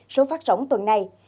số phát sóng tuần này